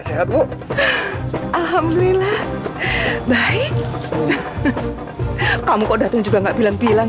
sehat bu alhamdulillah baik kamu kok datang juga nggak bilang bilang